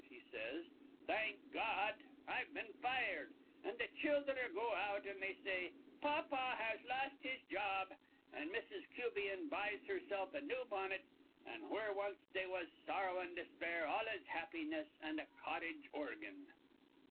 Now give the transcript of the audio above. He says, 'Thank Gawd, I've been fired.' An' th' childher go out, and they say, 'Pah pah has lost his job.' And Mrs. Cubian buys hersilf a new bonnet; and where wanst they was sorrow an' despair all is happiness an' a cottage organ.